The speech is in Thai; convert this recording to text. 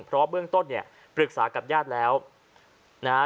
เพราะเบื้องต้นเนี่ยปรึกษากับญาติแล้วนะฮะ